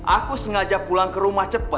aku sengaja pulang ke rumah cepat